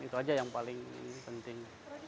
itu aja yang paling penting